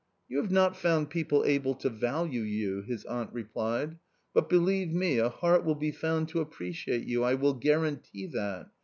"You have not found people able to value you," his aunt replied ;" but believe me, a heart will be found to appreciate you ; I will guarantee that.